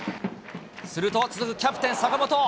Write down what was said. すると、続くキャプテン、坂本。